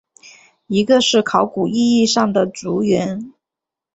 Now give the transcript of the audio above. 一个是考古意义上的族源。